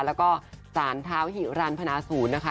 แล้วก็สารเท้าหิรันพนาศูนย์นะคะ